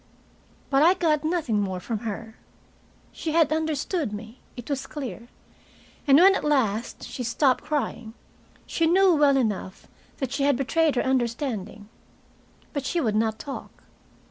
But I got nothing more from her. She had understood me, it was clear, and when at last she stopped crying, she knew well enough that she had betrayed her understanding. But she would not talk.